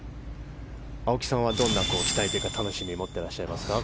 青木さんはどんな期待や楽しみを持ってらっしゃいますか？